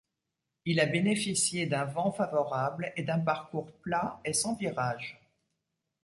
Il a bénéficié d'un vent favorable et d'un parcours plat et sans virage.